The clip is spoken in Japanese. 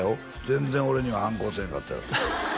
全然俺には反抗せんかったよ